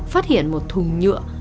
phát hiện một thùng nhựa